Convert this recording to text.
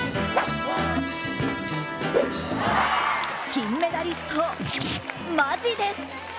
金メダリスト、マジです！